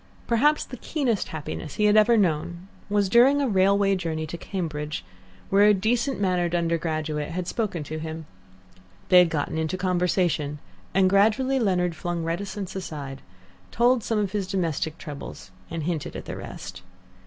Perhaps the keenest happiness he had ever known was during a railway journey to Cambridge, where a decent mannered undergraduate had spoken to him. They had got into conversation, and gradually Leonard flung reticence aside, told some of his domestic troubles, and hinted at the rest.